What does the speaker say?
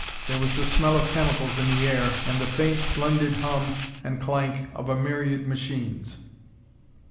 There was the smell of chemicals in the air, and the faint, blended hum and clank of a myriad machines.